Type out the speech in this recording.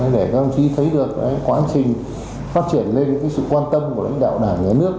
để các đồng chí thấy được quá trình phát triển lên sự quan tâm của đảng đảng nhà nước